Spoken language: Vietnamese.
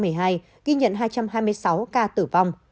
ghi nhận hai trăm hai mươi sáu ca tử vong